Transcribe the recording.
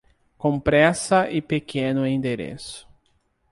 Com pressa e pequeno endereço.